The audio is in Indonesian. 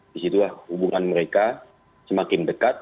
di situlah hubungan mereka semakin dekat